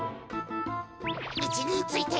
いちについて。